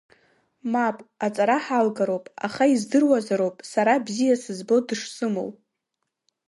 Мап, аҵара ҳалгароуп, аха издыруазароуп, сара бзиа сызбо дышсымоу.